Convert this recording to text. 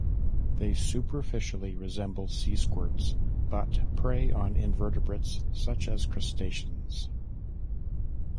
They superficially resemble sea squirts but prey on invertebrates such as crustaceans.